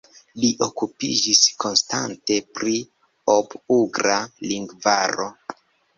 Li okupiĝis konstante pri Ob-ugra lingvaro.